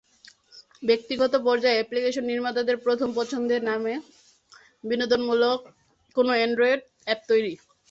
ব্যক্তিগত পর্যায়ে অ্যাপ্লিকেশন নির্মাতাদের প্রথম পছন্দে নামে বিনোদনমূলক কোনো অ্যান্ড্রয়েড অ্যাপ তৈরি।